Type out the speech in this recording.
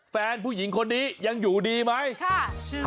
แฟนผู้หญิงคนนี้ยังอยู่ดีไหม